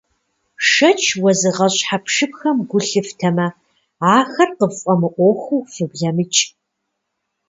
Шэч уэзыгъэщӀ хьэпшыпхэм гу лъыфтэмэ, ахэр къыффӀэмыӀуэхуу фыблэмыкӀ.